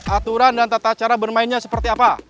aturan dan tata cara bermainnya seperti apa